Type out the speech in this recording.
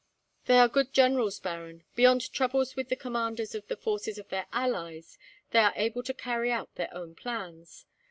"They are good generals, Baron. Beyond troubles with the commanders of the forces of their allies, they are able to carry out their own plans.